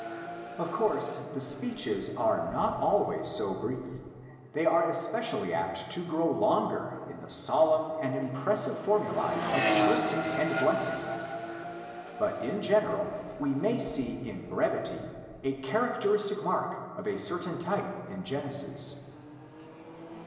Of course, the speeches are not always so brief; they are especially apt to grow longer in the solemn and impressive formulae of cursing and blessing. But in general we may see in brevity a characteristic mark of a certain type in Genesis.